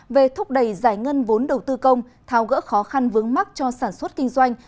về thúc đẩy giải ngân vốn đầu tư công thao gỡ khó khăn vướng mắt cho sản xuất kinh doanh